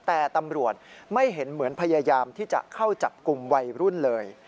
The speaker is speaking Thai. แต่ตำรวจไม่เห็นเหมือนพยายามที่จะเข้าจับกลุ่มวัยรุ่นเลย